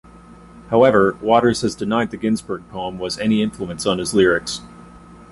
However, Waters has denied the Ginsberg poem was any influence on his lyrics.